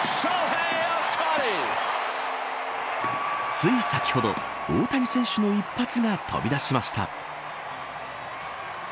つい先ほど、大谷選手の一発が飛び出しました。